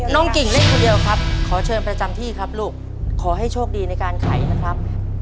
กิ่งเล่นคนเดียวครับขอเชิญประจำที่ครับลูกขอให้โชคดีในการไขนะครับ